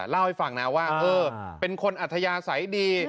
เล่าให้ฟังนะว่าเป็นคนอัธยาศัยดี